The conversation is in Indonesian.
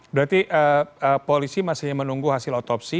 berarti polisi masih menunggu hasil otopsi